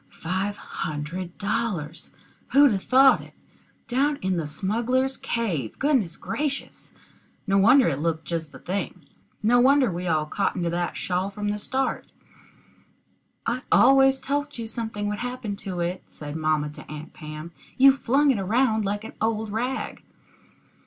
Five hundred dollars! who'd 'a thought it? Down in the smugglers' cave! Goodness gracious! No wonder it looked just the thing. No wonder we all cottoned to that shawl from the start. "I always told you something would happen to it," said mamma to Aunt Pam. "You flung it around like an old rag."